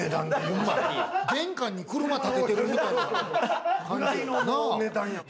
玄関に車立ててるみたいな感じよな。